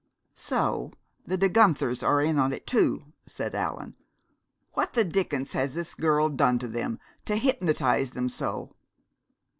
"So the De Guenthers are in it, too!" said Allan. "What the dickens has this girl done to them, to hypnotize them so?"